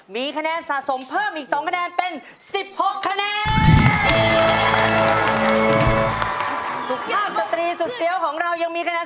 แม้หมายถึงคะแนนก็จะยกกำลังเป็น๔คะแนน